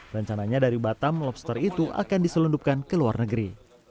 rencananya dari batam lobster itu akan diselundupkan ke luar negeri